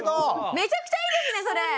めちゃくちゃいいですねそれ。